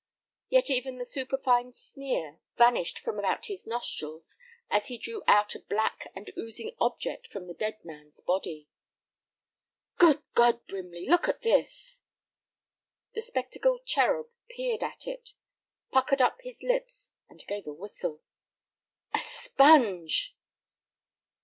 Yet even the superfine sneer vanished from about his nostrils as he drew out a black and oozing object from the dead man's body. "Good God, Brimley, look at this!" The spectacled cherub peered at it, puckered up his lips and gave a whistle. "A sponge!"